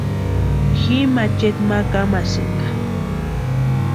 Ji macheti ma kámasïnka.